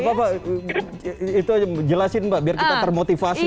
gak apa apa itu jelasin mbak biar kita termotivasi